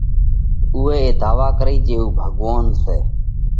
اُوئي اي ڌاوا ڪرئي جي اُو ڀڳوونَ سئہ۔